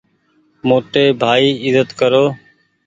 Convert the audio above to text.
موٽي ڀآئي ايزت ڪرو۔